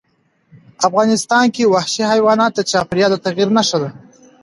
افغانستان کې وحشي حیوانات د چاپېریال د تغیر نښه ده.